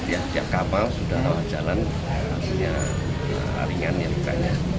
tiap kapal sudah rawat jalan ringan lukanya